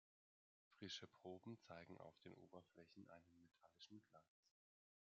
Frische Proben zeigen auf den Oberflächen einen metallischen Glanz.